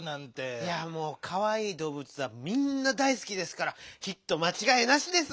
いやもうかわいいどうぶつはみんな大すきですからヒットまちがいなしです！